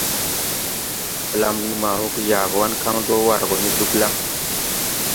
Blam wuu ma woge Yagoan kan do war gɔ ne Dugla.